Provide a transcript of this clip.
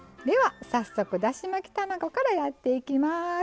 では早速だし巻き卵からやっていきます。